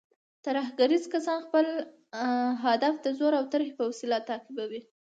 ترهګریز کسان خپل اهداف د زور او ترهې په وسیله تعقیبوي.